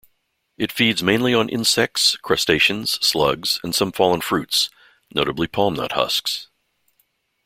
It feeds mainly on insects, crustaceans, slugs and some fallen fruits, notably palm-nut husks.